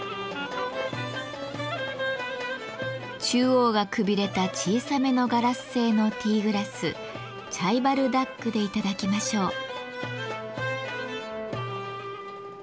中央がくびれた小さめのガラス製のティーグラスチャイバルダックで頂きましょう。